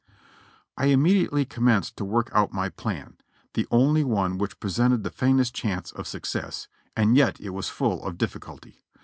I immediately commenced to work out my plan, the only one which presented the faintest chance of success ; and yet it was full of difficulty.